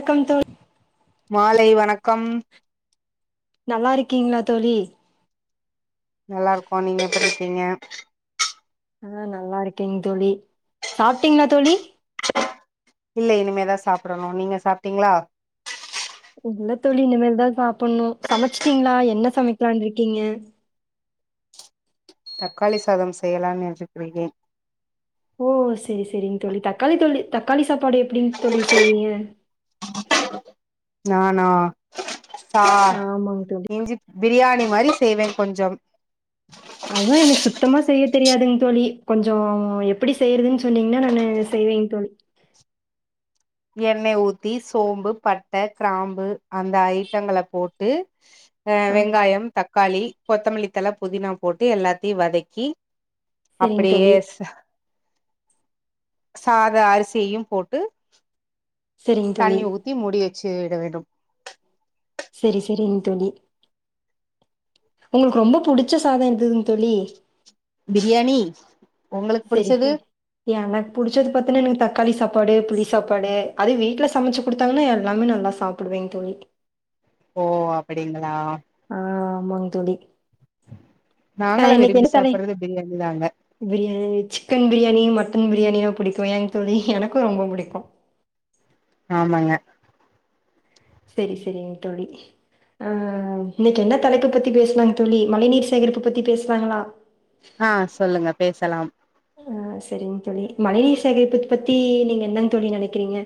எக்கம் தோழ் மாலை வணக்கம் நல்லா இருக்கீங்ளா தோழி நல்லா இருக்கோ நீங்க எப்படி இக்கீங்க ஆ நல்லா இருக்கேங் தோழி சாப்ட்டீங்ளா தோழி இல்ல இனிமேதா சாப்பிடணு நீங்க சாப்ட்டீங்ளா இல்ல தோழி இனிமேல் தா சாப்புடணு சமைச்சிட்டீங்களா என்ன சமைக்கலான்ட்ருக்கீங்க தக்காளி சாதம் செய்யலான்னு நெனச்சிட்ருக்கே ஓ செரி செரிங் தோழி தக்காளி தோழி தக்காளி சாப்பாடு எப்புடிங் தோழி செய்வீங்க நானா சா ஆமாங் தோழி இ்ஞ்சிப் பிரியாணி மாரி செய்வ கொஞ்சம் அதா எனக்கு சுத்தமா செய்ய தெரியாதுங் தோழி கொஞ்சோ எப்படி செய்றதுன் சொன்னீங்னா நானு செய்வேங் தோழி எண்ணைய் ஊத்தி சோம்பு பட்ட க்ராம்பு அந்த ஐட்டங்கல போட்டு அ ஆ வெங்காயம் தக்காளி கொத்தமல்லித்தல புதினா போட்டு எல்லாத்தையு வதக்கி செரிங் அப்படியே தோழி சா சாத அரிசியையு போட்டு செரிங் தோழி தண்ணி ஊத்தி முடி வச்சி விட வேண்டும் செரிசெரிங் தோழி உங்களுக்கு ரொம்ப புடிச்ச சாதோ எதுங் தோழி பிரியாணி உங்களுக்கு செரி புடிச்சது செரி எனக் புடிச்சது பாத்தன்னா எனக்கு தக்காளி சாப்பாடு புளி சாப்பாடு அது வீட்ல சமைச்சு குடுத்தாங்கன்னா எல்லாமே நல்லா சாப் பிடுவேங் தோழி ஓ அப்படிங்களா ஆ ஆமாங் தோழி ஆ நாங்களா இன்னைக்கு விரும்பி என்ன தலை சாப்பட்றது பிரியாணி தா அங்க பிரியாணி சிக்கன் பிரியாணி மட்டன் பிரியாணிணா பிடிக்கு ஏங் தோழி எனக்கு ரொம்ப பிடிக்கு ஆமாங்க சரி சரிங் தோழி ஆ இன்னைக்கு என்ன தலைப்பு பத்தி பேசுலாங்க தோழி மழைநீர் சேகரிப்பு பத்தி பேசுலாங்ளா ஆ சொல்லுங்க பேசலாம் ஆ சரிங் தோழி மழைநீர் சேகரிப்பு பத்தி நீங்க என்னங் தோழி நனைக்கிறீங்க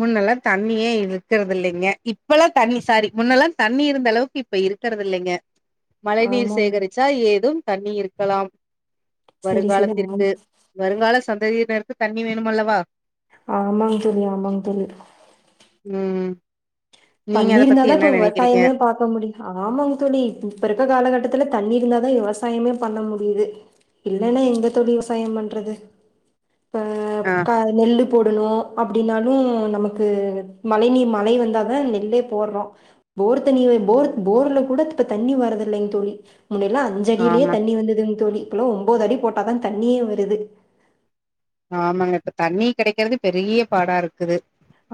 முன்னல்லா தண்ணியே இருக்குறதில்லைங்க இப்பல்லா தண்ணி சாரி முன்னல்லா தண்ணி இருந்த அளவுக்கு இப்ப இருக்குறதில்லைங்க மழை நீர் ஆமாங்க சேகரிச்சா ஏதும் தண்ணி இருக்கலாம் செரி செரி ஆமாங் வருங்காலத்திற்கு வருங்கால சந்ததியினருக்கு தண்ணி வேணுமல்லவா ஆமாங் தோழி ஆமாங் தோழி ம் நீங்க தண்ணி அத பத்தி இருந்தாதா என்ன இப்போ நெனைக்கிறீங்க விவசாயமே பாக் க முடியு ஆமாங்க தோழி இப்ப இருக்க காலகட்டத்துல தண்ணி இருந்தாதா விவசாயமே பண்ண முடியுது இல்லன்னா எங்க தோழி விவசாயோ பண்றது ப ஆ கா நெல்லு போடணு அப்டின்னாலு நமக்கு மழை நீ மழை வந்தாதா நே இல்லே போட்றோ போர் தண்ணிவே போர் போர்ல கூட இப்ப தண்ணி வரதில்லைங் தோழி முன்னெல்லா அ அஞ்ஜடிலே ஆமா தண்ணி வந்ததுங் தோழி இப்பலா ஒம்போது அடி போட்டாதா தண்ணியே வருது ஆமாங்க இப்ப தண்ணி கெடைக்கிறது பெரிய பாடா இருக்குது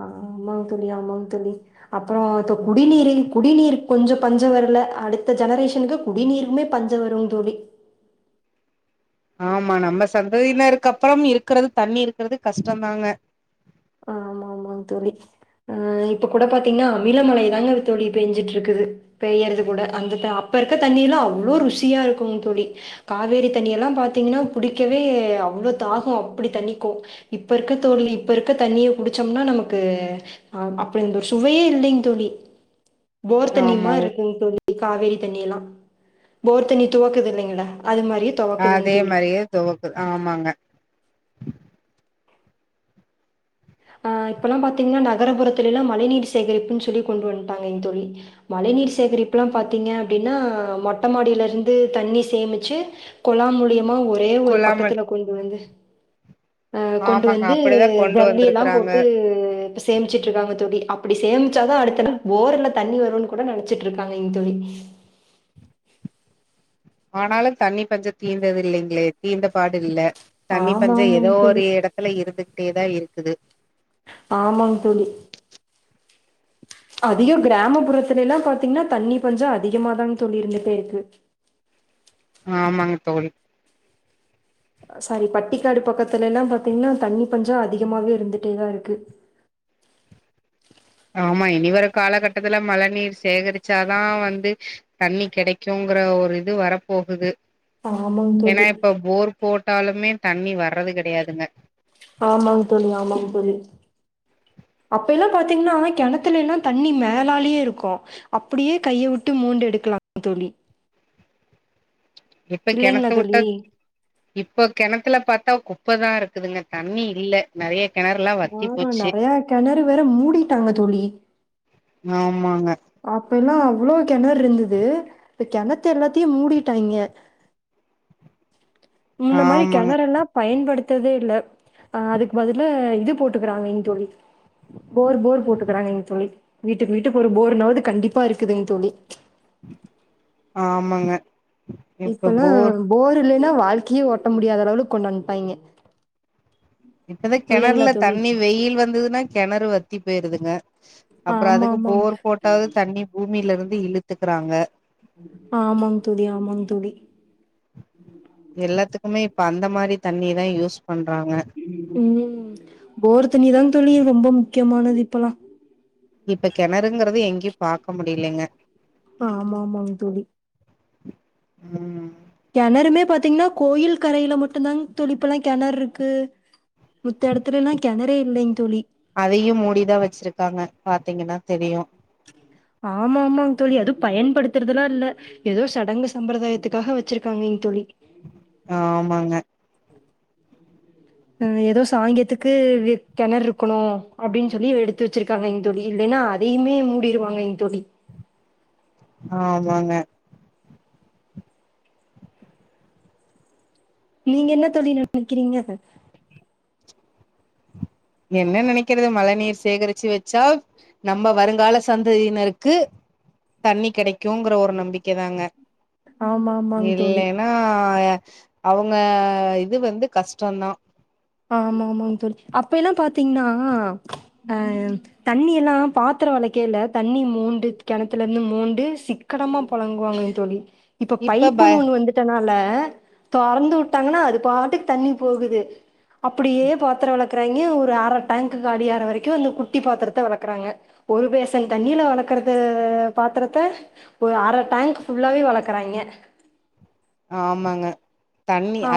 ஆமாங் தோழி ஆமாங் தோழி அப்றோ தொ குடிநீரில் குடிநீர் கொஞ்ச பஞ்சோ வர்ல அடுத்த ஜெனரேஷன்க்கு குடிநீருமே பஞ்சோ வரு தோழி ஆமா நம்ம சந்ததினருக் அப்பறம் இருக்கறது தண்ணி இருக்குறது கஷ்டந் தாங்க ஆ ஆமாங் தோழி ஆ இப்போ கூட பாத்தீங்கன்னா மில மலை தாங்கத்தோழி பேஞ்சிட்டுருக்குது பெய்யறது கூட அந்தத்து அப்பருக்க தண்ணில்லா அவ்ளோ ருசியா இருக்கு தோழி காவேரி தண்ணி எல்லா பாத்தீங்கன்னா புடிக்கவே அவ்ளோ தாகோ அப்டி தணிக்கு இப்பருக்கு தோழி இப்பர் து தண்ணிய குடிச்சோம்னா நமக்கு ஆ அப்டிந்த சுவையே இல்லிங் தோழி போர் ஆமா தண்ணிமார் இருக்குங் தோழி காவேரி தண்ணி எல்லா போர் தண்ணி துவக்குது இல்லைங்கள அதே மாரியே துவக்கு ஆமாங்க ஆ இப்பல்லா பாத்தீங்கன்னா நகரபுறத்துலிலா மழைநீர் சேகரிப்புன் சொல்லி கொண்டு வன்டாகைங் தோழி மழை நீீர் சேகரிப்புலா பாத்தீங்க அப்டின்னா மொட்ட மாடிலருந்து தண்ணி சேமிச்சு கொலா மூலியமா ஒரே ஒரு குழாம பக்கத்துல கொண்டு வந்து அ கொண்டு ஆமாங்க வந்து அப்படிதா கொண்டு ஜல்லி எல்லா வந்திருக்கறாங்க போட்டு சேமிச்சுட்ருக்காங்க தோழி அப்டி சேமிச்சாதா அடுத்தகல் போருல தண்ணி வருன்னு கூட நனைச்சிட்ருக்காகைங் தோழி ஆனாலு தண்ணி பஞ்ச தீந்தது இல்லைங்ளே தீந்த பாடு இல்ல தண்ணி ஆமா, பஞ்ச ஏதோ ஆமாங்க தோழி. ஒரு எட தில இருந்துக்ட்டேதா இருக்குது ஆமாங் தோழி அதிகு க்ரமப்புறத்துலல்லா பாத்திங்னா தண்ணி பஞ்ச அதிகமாதாங் தோழி இருந்துட்டே இருக்கு ஆமாங்க தோழி சாரி பட்டிக்காடு பக்கத்துலல்லா பாத்தீங்னா தண்ணி பஞ்சோ அதிகமாவே இருந்துட்டேதா இருக்கு ஆமா இனி வரு காலகட்டத்துல மழ நீர் சேகரிச்சாதா வந்து தண்ணி கெடைக்குங்ற ஒரு இது வரப்போகுது ஆமாங் ஏன்னா தோழி இப்போ போர் போட்டாலுமே தண்ணி வர்றது கெடையாதுங்க ஆமாங் தோழி ஆமாங் தோழி அப்பெய்லா பாத்திங்னா கெணத்துலீலா தண்ணி மேலாலேயே இருக்கு அப்டியே கையவுட்டு மோண்டெடுக்கலா தோழி இப்ப இல்லைங்களா கெணத்து உட்டா தோழி இப்போ கெணத்துல பாத்தா குப்பதா இருக்குதுங்க தண்ணி இல்ல நெறைய கெணர்லா ஆமா நெறையா கெணறு வேற மூடிட்டாங்க தோழி ஆமாங்க அப்பேலா அவ்ளோ கெணர்ருந்துது இப்ப கெணத்த எல்லாத்தையு மூடிட்டாய்ங்க முன்ன மாரி ஆமாங்க கெனரெல்லா பயன்படுத்ததே இல்ல அ அதுக்கு பதில இது போட்டுக்றாங்கைங் தோழி போர் போர் போட்டுக்கறாகைங் தோழி வீட்டுக்கு வீட்டுக்கு ஒரு போர்னாவது கண்டிப்பாருக்குதுங் தோழி ஆமாங்க இப்பலா போர் இல்லன்னா வாழ்கியே ஓட்ட முடியாத லெவளுக்கு கொண்டு வன்டாய்ங்க ப்பதா கெணறுல தண்ணி வெயில் வந்ததுன்னா கெணறு வத்தி போயிருதுங்க அப்ரோ ஆமா அதுக்கு ஆமாங் போர் போட்டாவது தண்ணி பூமிலருந்து இழுத்துக்குறாங்க ஆமாங் தோழி ஆமாங் தோழி எல்லாத்துக்குமே இப்ப அந்த மாரி தண்ணியதா யூஸ் பண்றாங்க ம் போர் தண்ணிதாங் தோழி ரொம்ப முக்கியமானது இப்பலா இப்ப கெணறுங்குறது எங்கியு பாக்க முடிலிங்க ஆமாமாங் தோழி ம் கெணறுமே பாத்திங்னா கோயில் கரையில மட்டுதாங் தோழி இப்பலா கெணர்ருக்கு முத்தெடத்துலல்லா கெணறே இல்லைங் தோழி அதையு மூடிதா வச்சிருக்காங்க பாத்தீங்கன்னா தெரியு ஆமா ஆமாங் தோழி அது பயன் படுத்துறதெல்லா இல்ல ஏதோ சடங்கு சம்பிரதாயத்துக்காக வச்சிருக்காங்க இங் தோழி ஆமாங்க ம் ஏதோ சாங்கத்துக்கு வெக் கேணரு இருக்கணு அப்டின் சொல்லி எடுத்து வச்சிருக்காங்கங் தோழி இல்லைனா அ தையுமே மூடிருவாங்க இங் தோழி ஆமாங்க நீங்க என்ன தோழி நெனைக்கிறீங்க என்ன நெனைக்கிறது மழ நீர் சேகரிச்சு வச்சா நம்ப வருங்கால சந்ததியினருக்கு தண்ணி கெடைக் குங்கிற ஒரு நம்பிக்க தாங்க ஆமா ஆமாங் தோழி இல்லேனா ஆனா எ அவுங்க இது வந்து கஷ்டோ தா ஆமா ஆமாங்க தோழி அப்ப எல்லா பாத்தீங்கன்னா அ தண்ணி எல்லா பாத்ர வெளக்கையில தண்ணி மோண்டு கெணத்துலேந்து மோண்டு சிக் கனமா புழங்குவாங்கங் தோழி இப்ப பைப்புன்னு ஒண்ணு வந்துட்டனால தொறந்து வுட்டாங்கன்னா அது பாட்டுக் தண்ணி போகுது அப்டியே பாத்ர வெளக்றாங்க ஒரு அரை டேங்க்கு காலியாற வரைக்கு இந்த குட்டி பாத்திரத்த வெளக்குறாங்க ஒரு பேசன் தண்ணில வெளக்குறது பாத்ரத்தா ஒரு அரை டேங்க் ஃபுல்லாவே வெளக்குறாங்க ஆமாங்க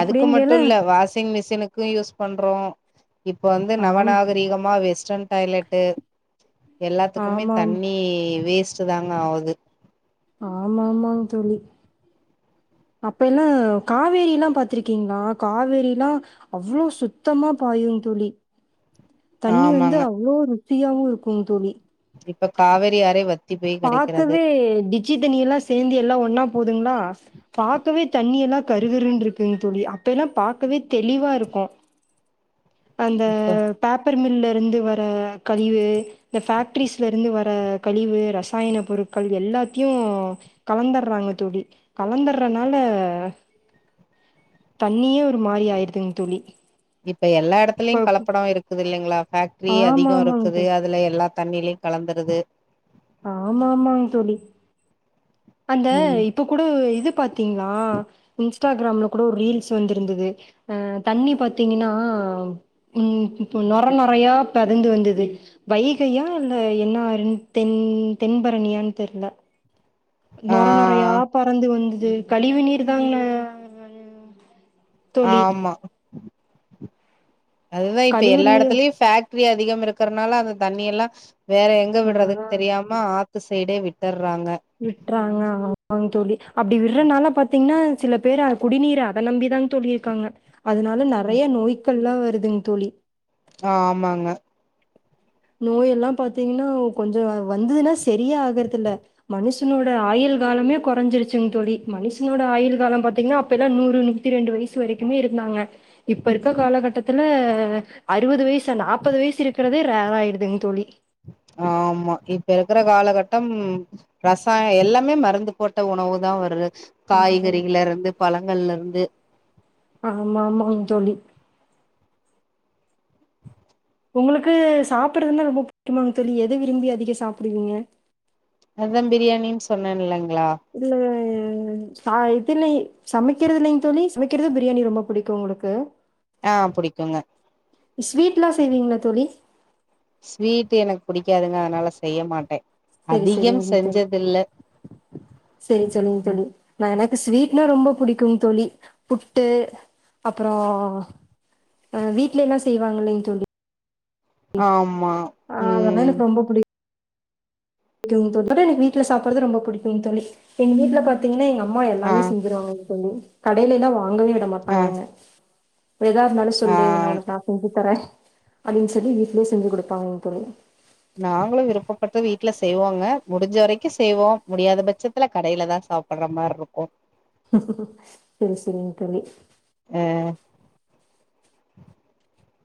அதுக்கு மட்டு இல்ல வாஷிங் மிஷினுக்கு யூஸ் பண்றோ இப்ப வந்து ஆமா நவநாகரீகமா வெஸ்டன் டாய்லெட்டு எல்லாத்துக்குமே நீ ஆமாம் தண்ணி வேஸ்ட்டுதாங்க ஆவுது ஆமா ஆமாங்க தோழி அப்பேல்லா காவேரில்லா இருக்கீங்களா காவேரில்லா அவ்ளோ சுத்தமா பாயுங்க தோழி தண்ணி வந்து ஆமாங்க அவ்ளோ ருசியாவு இருக்குங் தோழி இப்போ காவேரி ஆறே வத் பாக்கவே டிச்சி தண்ணியெல்லா சேந்து எல்லா ஒன்னா போகுதுங்களா பாக்கவே தண்ணியெல்லா கரு கருண்டுறுக்குங் தோழி அப்பெல்லா பாக்கவே தெளிவாருக்கு அந்த இப்ப பேப்பர் மில்லெருந்து வர கழிவு இந்த பேக்டரிஸ்லெருந்து வ ர கழிவு ரசாயன பொருட்கள் எல்லாத்தியு கலந்துடுறாங்க தோழி கலந்துர்றனால தண்ணியே ஒரு மாரி ஆயிடுதுங் தோழி இப்ப எல்லா எடத்துலயு இப்ப கலப்படோ இருக்குது இல்லைங்களா பேஃக்ட்ரி அதிகோ ஆமாமாங் தோ இருக்குது அ துல எல்லா தண்ணிலியு கலந்துறுது ஆமா ஆமாங் தோழி அந்த ம் இப்ப கூட இது பாத்தீங்களா இன் ஸ்டாகிராம்ல கூட ஒரு ரீல்ஸ் வந்துருந்தது அ தண்ணி பாத்தீங்கன்னா ம் இப்ப நொர நொரயா மெதந்து வந்துது வைகையா இல்ல என்ன ஆறுன் தென் தென்பரணியான்னு தெர்ல ஆ நொர நொறயா பறந்து வந்தது கழிவு நீர் தாங்க தோழி ஆமா அதுதா இப்ப கழிவு எல்லா நீர் எடத்துலயு பேக்ட்ரி அதிகமா இருக்கறனால அந்த தண்ணி எல்லா வேற எங்க ஆ விடுறதுன்னு தெரியாம ஆத்து சைடே விட்ர்றாங்க விட்டுறாங்க ஆமாங்க தோழி அப்டி விடுறனால பாத்தீங்கன்னா சில பேரு அது குடிநீரு அத நம்பிதாங் தோழி இ இருக்காங்க அதனால நெறைய நோய்க்கள்லா வருதுங்க தோழி ஆ ஆமாங்க நோய் எல்லா பாத்தீங்கன்னா கொஞ்ச அது வந்துதுன்னா சரியே ஆகறது இல்ல மனுஷ் னோட ஆயுள் காலமே கொறைஞ்சிருச்சுங்க தோழி மனுஷனோட ஆயுள் கால பாத்தீங்கன்னா அப்பல்லா நூறு நூ த்தி ரெண்டு வயசு வரைக்குமே இருந்தாங்க இப்ப இருக்க கால கட்டத்துல அறுவது வயசா நாப்பது வயசு இருக்கறதே ரேர் ஆயிடுதுங்க தோழி ஆமா இப்ப இருக்கற காலகட்டம் ரசாய எல்லாமே மருந்து போட்ட உணவு தா வருது ஆமா காய்கறில இருந்து பழங்கள்ல இருந்து ஆமா ஆமாங்க தோழி உங்களுக்கு சாப்புறதுன்னா ரொம்ப புடிக்குமாங்க தோழி எத விரும்பி அதிக சாப்டுவீங்க அதா பிரியாணின்னு சொன்ன இல்லங்களா இல்ல சா இதுலே சமைக்கிறதுலிங்க தோழி சமைக்கறது பிரியாணி ரொம்ப புடிக்கு உங்களுக்கு ஆ புடிக்குங்க ஸ்வீட்லா செய்வீங்களா தோழி ஸ்வீட் எனக்கு புடிக்காதுங்க அதனால செய்ய மாட்ட சரி அதிக செஞ்சதுல்ல சேரி சொல்லுங்க தோழி நா எனக்கு ஸ்வீட்னா ரொம்ப புடிக்குங் தோழி புட்டு அப்புற ஆ வீட்லன்னா செய்வாங்கல்லேங்க தோழி ஆமா ஆ அதெல்லா ம் எனக்கு ரொம்ப புடிக் க்கும் தோழி அதா எனக்கு வீட்ல சாப்புட்றது ரொம்ப புடிக்குங் தோழி எங்க வீட்ல பாத் தீங்கன்னா எங்க அம்மா ஆ எல்லாமே செஞ்சிருவாங்க தோழி கடையில எல்லா வாங்கவே விட ஆ மாட்டாங்க என்ன எதா இருந்தாலு ஆ சொல்லு நா ஒனக்கு நா செஞ்சு தர அப்டின்னு சொல்லி வீட்லேயே செஞ்சு குடுப்பாங்க தோழி நாங்களு விருப்பப்பட்டு வீட்ல செய்வோங்க முடிஞ்ச வரைக்கு செய்வோ முடியாத பட்சத்துல கடையில தா சாப் பட்ற மாரி இருக்கு செரி செரிங்க தோழி ஆ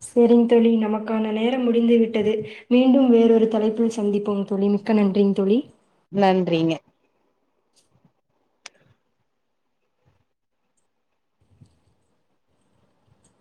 சேரிங்க தோழி நமக்கான நேரம் முடிந்து விட்டது மீண்டும் வேறொரு தலைப்பில் சந்திப்போம் தோழி மிக்க நன்றிங்க தோழி நன்றிங்க